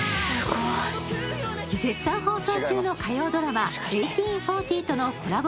絶賛放送中の火曜ドラマ「１８／４０」とのコラボ